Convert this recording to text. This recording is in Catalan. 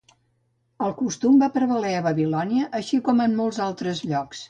El costum va prevaler a Babilònia, així com en molts altres llocs.